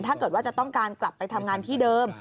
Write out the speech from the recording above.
ถ้าเกิดว่าจะต้องการกลับไปทำงานที่เดิม